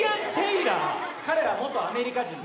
彼は元アメリカ人です。